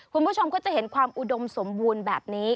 คุณผู้ชมก็จะเห็นความอุดมสมบูรณ์แบบนี้